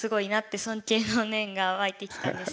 尊敬の念が湧いてきたんですけど。